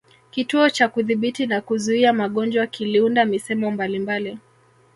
Kituo cha Kudhibiti na Kuzuia magonjwa kiliunda misemo mbalimbali